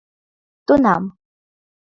Тунам